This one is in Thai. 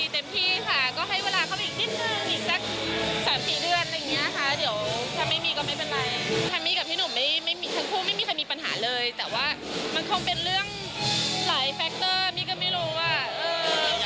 เต็มที่ค่ะก็ให้เวลาเข้าอีกนิดนึง